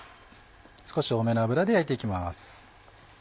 少し多めの油で焼いて行きます。